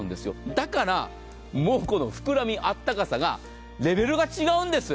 だから、この膨らみ、暖かさがレベルが違うんです。